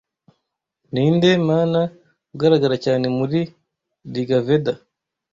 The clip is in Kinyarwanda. Ninde Mana ugaragara cyane muri 'Rigaveda'